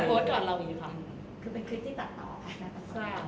คือเป็นคลิปที่ตัดต่อค่ะ